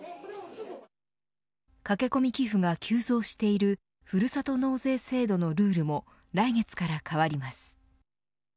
駆け込み寄付が急増しているふるさと納税制度のルールも来月から変わります。